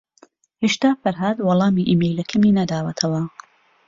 ھێشتا فەرھاد وەڵامی ئیمەیلەکەمی نەداوەتەوە.